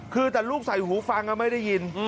คือแต่ลูกใส่หูฟังไม่ได้ยิน